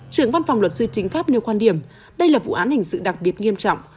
trưởng văn phòng luật sư chính pháp nêu quan điểm đây là vụ án hình sự đặc biệt nghiêm trọng